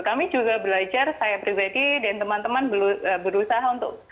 kami juga belajar saya pribadi dan teman teman berusaha untuk